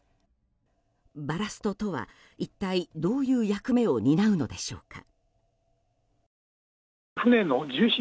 バラストとは一体どういう役目を担うのでしょうか。